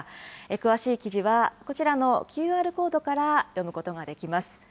詳しい記事はこちらのＱＲコードから読むことができます。